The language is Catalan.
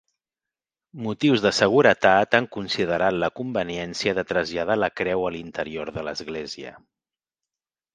Motius de seguretat han considerat la conveniència de traslladar la creu a l'interior de l'església.